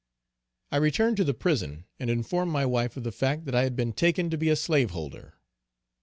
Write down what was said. I returned to the prison and informed my wife of the fact that I had been taken to be a slaveholder.